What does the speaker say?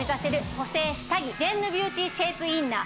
補整下着ジェンヌビューティーシェイプインナー